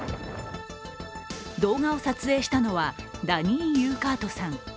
動画を撮影したのはダニー・ユーカートさん。